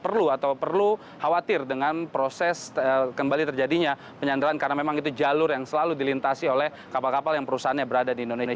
perlu atau perlu khawatir dengan proses kembali terjadinya penyandaran karena memang itu jalur yang selalu dilintasi oleh kapal kapal yang perusahaannya berada di indonesia